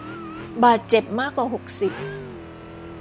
บาดเจ็บมากกว่าหกสิบ